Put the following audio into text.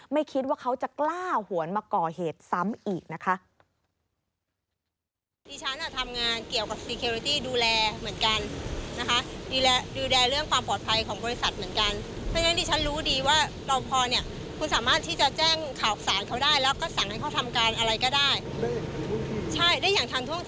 ไม่คิดว่าเขาจะกล้าหวนมาก่อเหตุซ้ำอีกนะคะ